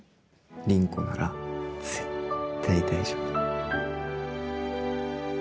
凛子なら絶対大丈夫。